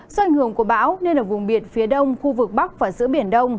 do ảnh hưởng của bão nên ở vùng biển phía đông khu vực bắc và giữa biển đông